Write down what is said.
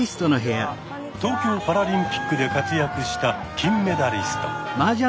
東京パラリンピックで活躍した金メダリスト。